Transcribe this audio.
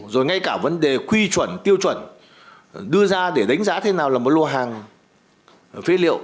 rồi ngay cả vấn đề quy chuẩn tiêu chuẩn đưa ra để đánh giá thế nào là một lô hàng phế liệu